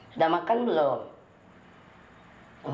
sudah makan belum